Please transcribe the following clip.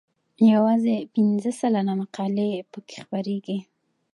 یوازې پنځه سلنه مقالې پکې خپریږي.